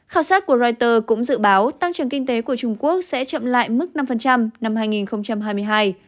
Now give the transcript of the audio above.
khảo sát của reuters cũng dự báo tăng trưởng kinh tế của trung quốc sẽ chậm lại mức năm năm hai nghìn hai mươi hai